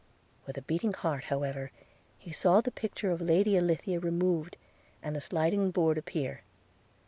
With a beating heart, however, he saw the picture of the Lady Alithea removed, and the sliding board appear.